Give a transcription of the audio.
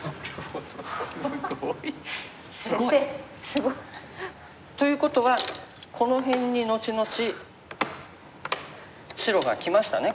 すごい。ということはこの辺に後々白がきましたね